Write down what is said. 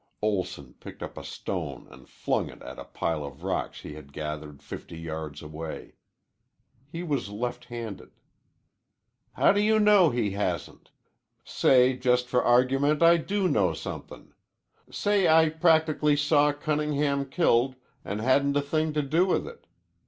Olson picked up a stone and flung it at a pile of rocks he had gathered fifty yards away. He was left handed. "How do you know he hasn't? Say, just for argument, I do know somethin'. Say I practically saw Cunningham killed an' hadn't a thing to do with it.